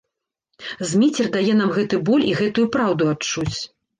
Зміцер дае нам гэты боль і гэтую праўду адчуць.